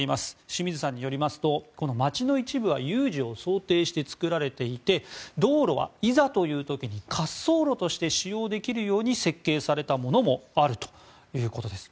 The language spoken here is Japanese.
清水さんによりますと街の一部は有事を想定して作られていて道路はいざという時に滑走路として使用できるように設計されたものもあるということです。